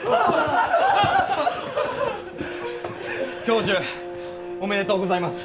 教授おめでとうございます！